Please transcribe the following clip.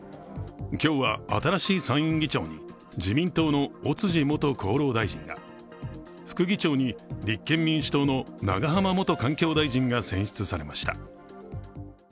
今日は新しい参院議長に自民党の尾辻元厚労大臣が副議長に立憲民主党の長浜元環境大臣が選出されました。